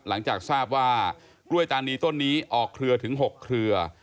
หลังจากทราบว่ากล้วยตานีต้นนี้ออกเครือถึง๖เครือ